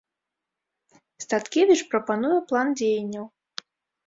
Статкевіч прапануе план дзеянняў.